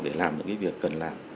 để làm những việc cần làm